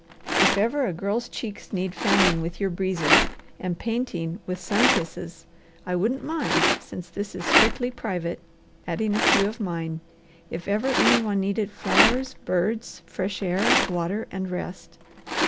If ever a girl's cheeks need fanning with your breezes, and painting with sun kisses, I wouldn't mind, since this is strictly private, adding a few of mine; if ever any one needed flowers, birds, fresh air, water, and rest!